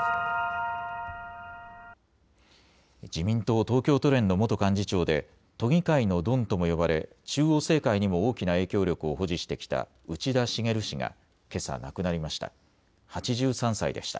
自民党東京都連の元幹事長で都議会のドンとも呼ばれ中央政界にも大きな影響力を保持してきた内田茂氏がけさ、亡くなりました。